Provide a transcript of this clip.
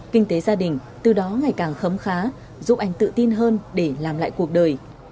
kinh tế gia đình từ đó ngày càng khấm khá giúp anh tự tin hơn để làm lại cuộc đời